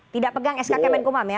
tidak pegang sk kemenkumham ya